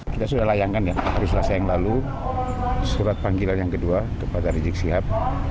kita sudah layangkan ya hari selasa yang lalu surat panggilan yang kedua kepada rizik sihab